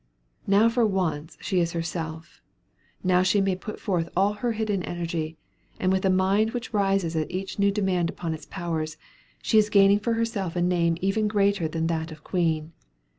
Now for once she is herself; now may she put forth all her hidden energy, and with a mind which rises at each new demand upon its powers, she is gaining for herself a name even greater than that of queen.